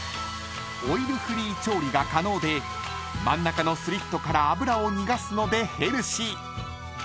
［オイルフリー調理が可能で真ん中のスリットから油を逃がすのでヘルシー］